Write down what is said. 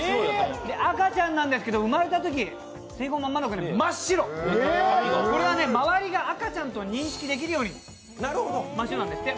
赤ちゃんなんですけど、生まれたとき、生後間もなくは真っ白、これはね、周りが赤ちゃんと認識できるように真っ白なんですって。